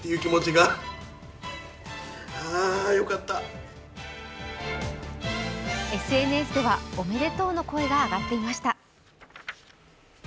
今回の受賞にＳＮＳではおめでとうの声が上がっていました。